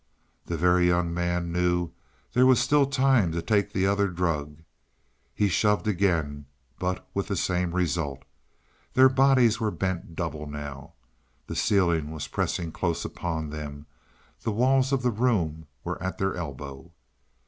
The Very Young Man knew there was still time to take the other drug. He shoved again, but with the same result. Their bodies were bent double now. The ceiling was pressing close upon them; the walls of the room were at their elbow.